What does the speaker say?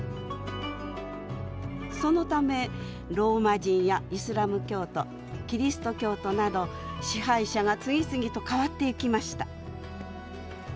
そのためローマ人やイスラム教徒キリスト教徒など支配者が次々とかわっていきました。